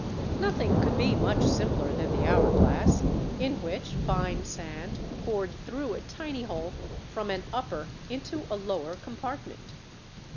Nothing could be much simpler than the hour glass, in which fine sand poured through a tiny hole from an upper into a lower compartment.